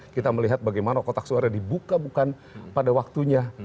kita melihat bagaimana kotak suara dibuka bukan pada waktunya